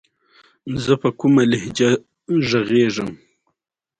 نخود کمې اوبه غواړي.